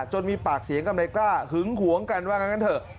มีปากเสียงกับนายกล้าหึงหวงกันว่างั้นเถอะ